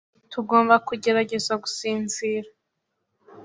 Tugomba kugerageza gusinzira.